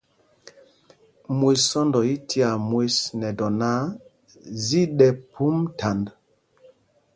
Mwes sɔ́ndɔ i tyaa mwes nɛ dɔ náǎ, zi ɗɛ́ phûm thand.